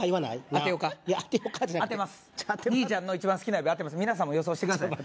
当てようか当てます兄ちゃんの一番好きな曜日当てます皆さんも予想してください